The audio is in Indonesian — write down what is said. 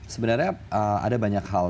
sebenarnya ada banyak hal